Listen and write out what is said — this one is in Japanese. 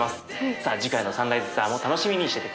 さあ次回のサンライズツアーも楽しみにしてて下さい。